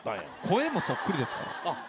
声もそっくりですから。